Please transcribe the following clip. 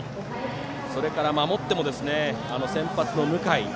それから守っても先発の向井。